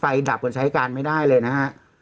ดับกันใช้การไม่ได้เลยนะฮะ